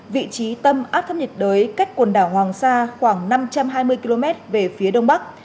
vị trí tâm áp thấp nhiệt đới cách quần đảo hoàng sa khoảng năm trăm hai mươi km về phía đông bắc